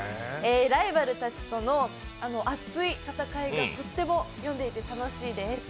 ライバルたちとの熱い戦いがとっても読んでいて楽しいです。